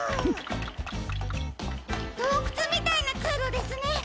どうくつみたいなつうろですね。